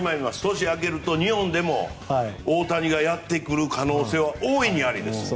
年を明けると日本でも大谷がやってくる可能性は大いにありです。